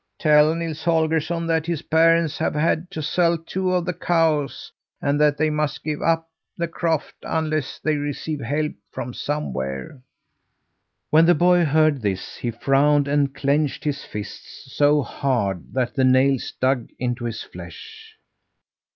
Tell Nils Holgersson that his parents have had to sell two of the cows and that they must give up the croft unless they receive help from somewhere." When the boy heard this he frowned and clenched his fists so hard that the nails dug into his flesh.